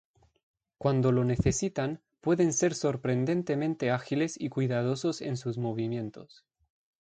Cuando lo necesitan, pueden ser sorprendentemente ágiles y cuidadosos en sus movimientos.